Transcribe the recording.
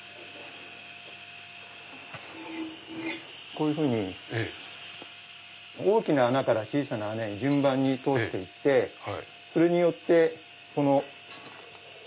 こういうふうに大きな穴から小さな穴へ順番に通して行ってそれによって。